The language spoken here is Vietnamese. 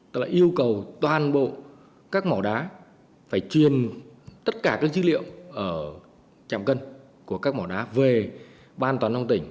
tức là yêu cầu toàn bộ các mỏ đá phải truyền tất cả các dữ liệu ở trạm cân của các mỏ đá về ban an toàn trong tỉnh